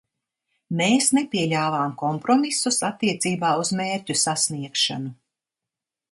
Mēs nepieļāvām kompromisus attiecībā uz mērķu sasniegšanu.